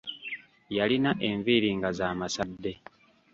Yalina enviiri nga za masadde.